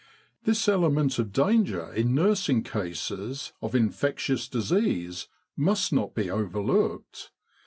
"This element of danger in nursing cases of in fectious disease must not be overlooked.